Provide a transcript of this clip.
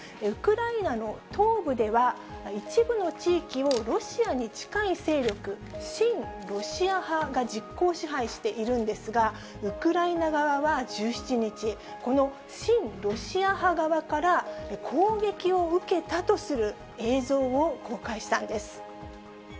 ウクライナの東部では、一部の地域をロシアに近い勢力、親ロシア派が実効支配しているんですが、ウクライナ側は１７日、この親ロシア派側から、攻撃を受けたとする映像を公開したんです。